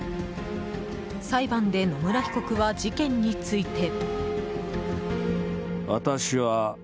裁判で野村被告は事件について。